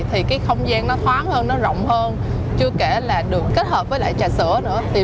thì cái không gian nó thoáng hơn nó rộng hơn chưa kể là được kết hợp với lại trà sữa nữa